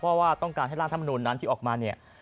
เพราะว่าต้องการให้ล่านทำณูนนั้นที่ออกมา